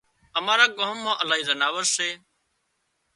امارا ڳام مان الاهي زناورسي